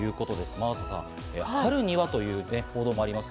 真麻さん、春にはという報道がありますが。